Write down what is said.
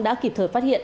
đã kịp thời phát hiện